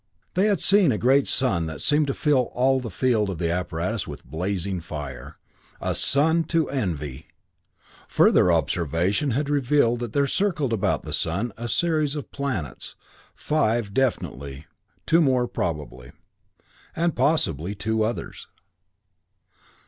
They had seen a great sun that seemed to fill all the field of the apparatus with blazing fire. A sun to envy! Further observation had revealed that there circled about the sun a series of planets, five, definitely; two more, probably; and possibly two others.